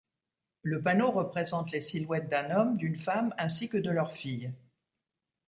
Le panneau représente les silhouettes d'un homme, d'une femme ainsi que de leur fille.